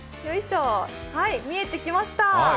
見えてきました。